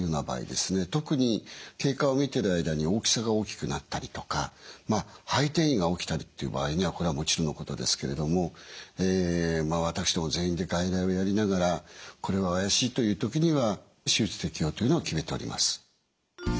特に経過を見てる間に大きさが大きくなったりとかまあ肺転移が起きたりっていう場合にはこれはもちろんのことですけれども私ども全員で外来をやりながらこれは怪しいという時には手術適応というのを決めております。